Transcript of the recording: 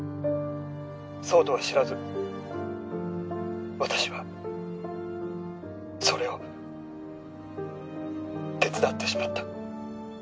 そうとは知らず私はそれを手伝ってしまった。